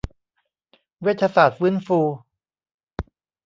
เวชศาสตร์ฟื้นฟู